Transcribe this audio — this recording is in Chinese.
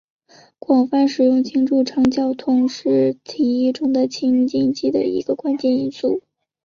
广泛使用氢助长交通是在提议中的氢经济的一个关键因素。